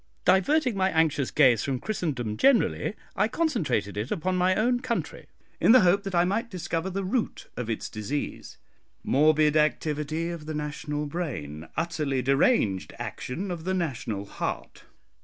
"Diverting my anxious gaze from Christendom generally, I concentrated it upon my own country, in the hope that I might discover the root of its disease. Morbid activity of the national brain, utterly deranged action of the national heart.